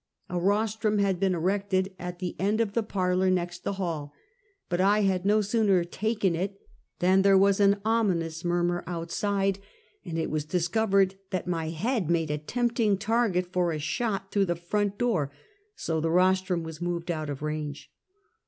A rostrum had been erected at the end of the parlor next the hall, but I had no sooner taken it than there was an omnious murmur outside, and it was discovered that my head made a tempting target for a shot through the front door, so the rostrum was moved out of range.